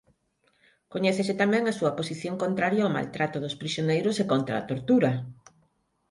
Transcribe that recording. Coñécese tamén a súa posición contraria ao maltrato dos prisioneiros e contra a tortura.